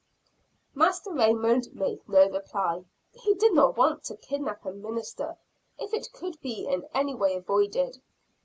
Master Raymond made no reply. He did not want to kidnap a minister, if it could be in any way avoided.